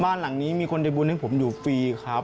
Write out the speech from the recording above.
บ้านหลังนี้มีคนได้บุญให้ผมอยู่ฟรีครับ